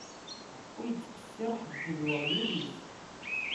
Ur ittqessir ḥedd d uɣyul-is.